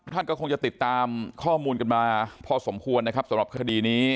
ท่านก็คงจะติดตามข้อมูลกันมาพอสมควรนะครับสำหรับคดีนี้